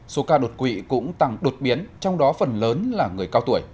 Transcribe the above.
số ca đột quỵ cũng tăng đột biến trong đó phần lớn là người cao tuổi